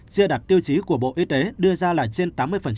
chưa đặt tiêu chí của bộ y tế đưa ra là trên tám mươi